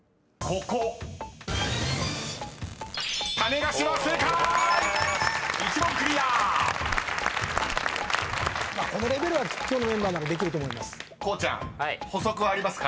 このレベルは今日のメンバーならできると思います。